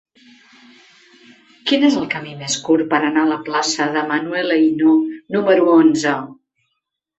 Quin és el camí més curt per anar a la plaça de Manuel Ainaud número onze?